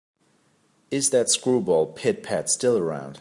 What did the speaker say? Is that screwball Pit-Pat still around?